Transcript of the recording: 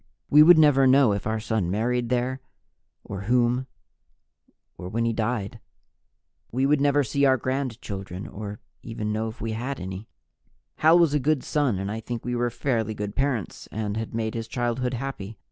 We would never know if our son married there, or whom, or when he died. We would never see our grandchildren, or even know if we had any. Hal was a good son and I think we were fairly good parents and had made his childhood happy.